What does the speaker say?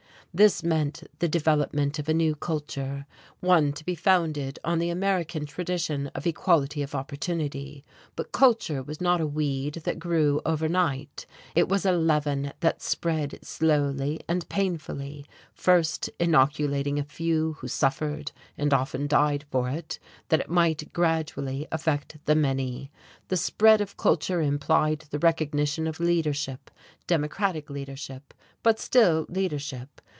This meant the development of a new culture, one to be founded on the American tradition of equality of opportunity. But culture was not a weed that grew overnight; it was a leaven that spread slowly and painfully, first inoculating a few who suffered and often died for it, that it might gradually affect the many. The spread of culture implied the recognition of leadership: democratic leadership, but still leadership.